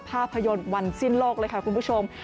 ภาพยนตร์วันสิ้นโลกเลยค่ะคุณผู้ชม